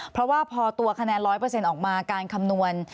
เพราะว่าพอตัวคะแนน๑๐๐ออกมาการคำนวณ